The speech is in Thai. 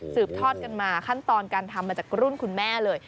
ทอดกันมาขั้นตอนการทำมาจากรุ่นคุณแม่เลย